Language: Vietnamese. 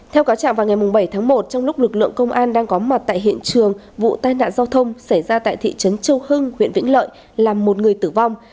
theo cáo trạng vào ngày bảy tháng một trong lúc lực lượng công an đang có mặt tại hiện trường vụ tai nạn giao thông xảy ra tại thị trấn châu hưng huyện vĩnh lợi làm một người tử vong